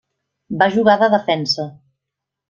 Va jugar de defensa.